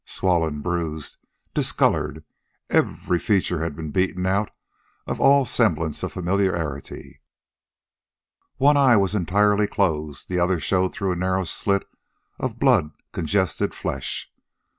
Swollen, bruised, discolored, every feature had been beaten out of all semblance of familiarity. One eye was entirely closed, the other showed through a narrow slit of blood congested flesh.